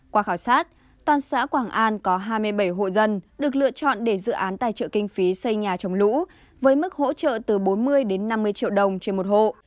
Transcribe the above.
qua khảo sát toàn xã quảng an có hai mươi bảy hộ dân được lựa chọn để dự án tài trợ kinh phí xây nhà chống lũ với mức hỗ trợ từ bốn mươi đến năm mươi triệu đồng trên một hộ